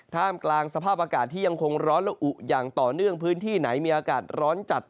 กลางสภาพอากาศที่ยังคงร้อนและอุอย่างต่อเนื่องพื้นที่ไหนมีอากาศร้อนจัด